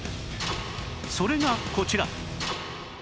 それがこちら